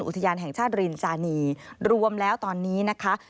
อุทยานแห่งชาติรินจานีรวมแล้วตอนนี้นะคะ